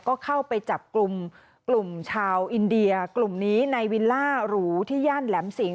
ก็เข้าไปจับกลุ่มกลุ่มชาวอินเดียกลุ่มนี้ในวิลล่าหรูที่ย่านแหลมสิง